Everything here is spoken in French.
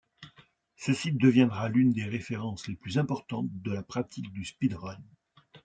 Ce site deviendra l'une des références les plus importantes de la pratique du speedrun.